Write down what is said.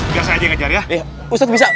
biasa aja kejar ya ustadz bisa